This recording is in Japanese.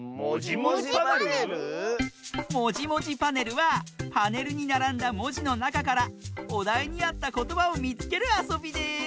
「もじもじパネル」はパネルにならんだもじのなかからおだいにあったことばをみつけるあそびです！